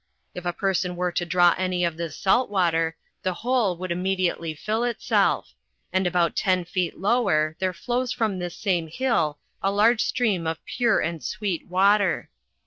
If a person were to draw any of this salt, water, the hole would immediately fill itself; and about ten feet lower , there flows from this same hill, a largo stream cf pure and sweet water.